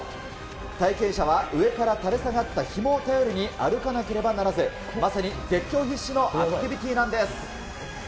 体験者は上から垂れ下がったひもを頼りに歩かなければならず、まさに絶叫必至のアクティビティーなんです。